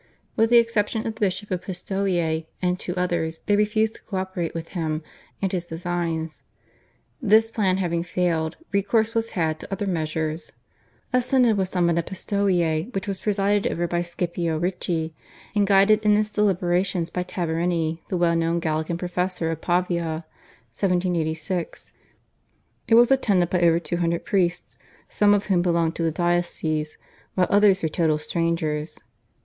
With the exception of the Bishop of Pistoia and two others they refused to co operate with him and his designs. This plan having failed recourse was had to other measures. A synod was summoned at Pistoia, which was presided over by Scipio Ricci, and guided in its deliberations by Tamburini the well known Gallican professor of Pavia (1786). It was attended by over two hundred priests, some of whom belonged to the diocese, while others were total strangers.